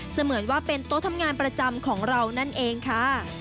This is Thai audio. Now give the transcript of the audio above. เหมือนว่าเป็นโต๊ะทำงานประจำของเรานั่นเองค่ะ